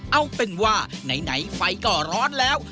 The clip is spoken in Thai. เอาเป็นว่าไหนไฟก็ร้อนแล้ว